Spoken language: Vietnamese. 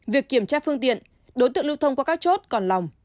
việc kiểm tra phương tiện đối tượng lưu thông qua các chốt còn lòng